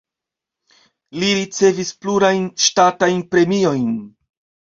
Li ricevis plurajn ŝtatajn premiojn.